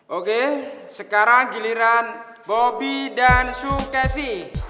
oke sekarang giliran bobby dan syukesi